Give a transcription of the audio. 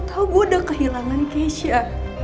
tau gue udah kehilangan keisha